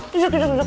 duduk duduk duduk